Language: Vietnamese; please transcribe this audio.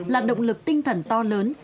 là động lực tinh thần to lớn